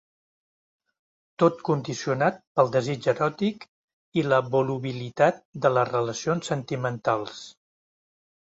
Tot condicionat pel desig eròtic i la volubilitat de les relacions sentimentals.